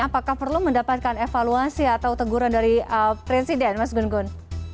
apakah perlu mendapatkan evaluasi atau teguran dari presiden mas gun gun